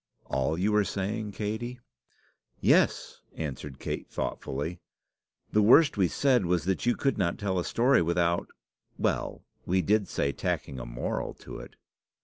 "All you were saying, Katey?" "Yes," answered Kate, thoughtfully. "The worst we said was that you could not tell a story without well, we did say tacking a moral to it."